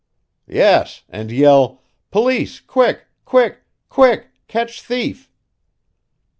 "Yes, and yell, 'Police quick, quick, quick catch thief.'"